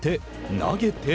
投げて。